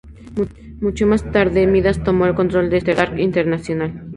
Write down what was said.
Mucho más tarde, Midas tomó el control de Stark Internacional.